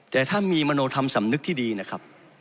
แต่ถ้ามีมโนธรรมสำนึกที่ดีนะครับ